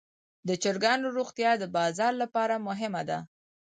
د چرګانو روغتیا د بازار لپاره مهمه ده.